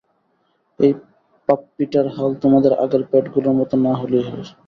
এই পাপ্পিটার হাল তোমাদের আগের পেটগুলোর মত না হলেই হয়।